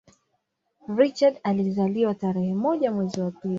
Richard alizaliwa tarehe moja mwezi wa pili